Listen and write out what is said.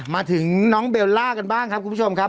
มาถึงน้องเบลล่ากันบ้างครับคุณผู้ชมครับ